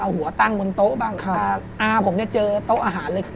เอาหัวตั้งบนโต๊ะบ้างครับอาผมเนี่ยเจอโต๊ะอาหารเลย